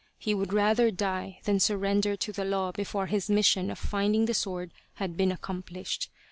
He would rather die than surrender to the law before his mission of finding the sword had been accomplished.